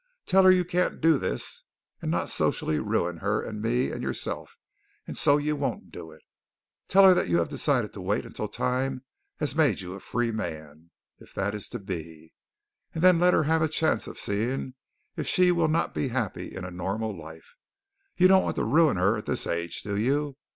Tell her you can't do this and not socially ruin her and me and yourself, and so you won't do it. Tell her that you have decided to wait until time has made you a free man, if that is to be, and then let her have a chance of seeing if she will not be happy in a normal life. You don't want to ruin her at this age, do you?